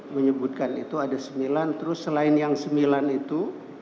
menyebutkan itu ada sembilan terus selain yang sembilan itu